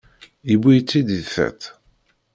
Yewwi-yi-tt-id di tiṭ.